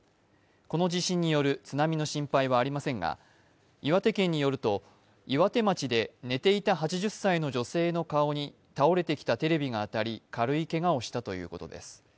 この地震による津波の心配はありませんが、岩手県によると、岩手町で寝ていた８０歳の女性の顔に倒れてきたテレビが当たり、軽いけがをしたということです。